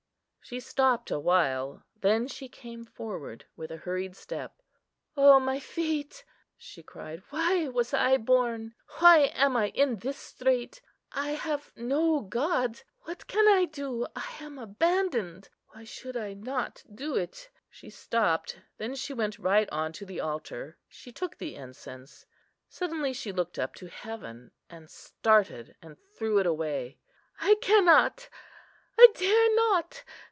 She stopped awhile; then she came forward with a hurried step. "O my fate!" she cried, "why was I born? why am I in this strait? I have no god. What can I do? I am abandoned; why should I not do it?" She stopped; then she went right on to the altar; she took the incense: suddenly she looked up to heaven and started, and threw it away. "I cannot! I dare not!"